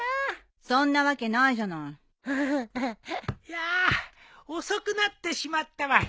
やあ遅くなってしまったわい。